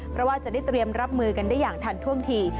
เพราะว่าจะได้เตรียมรับมือกันได้อย่างทันท่วงที